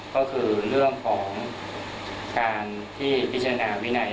ก็คือเรื่องของการที่พิจารณาวินัย